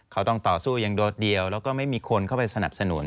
เขาต้องต่อสู้อย่างโดดเดียวแล้วก็ไม่มีคนเข้าไปสนับสนุน